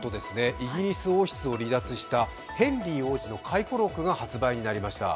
イギリス王室を離脱したヘンリー王子の回顧録が発売になりました。